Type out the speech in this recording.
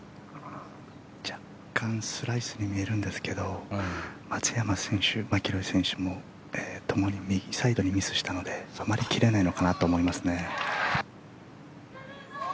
若干スライスに見えるんですが松山選手、マキロイ選手もともに右サイドにミスしたのであまり切れないのかなと思いますね。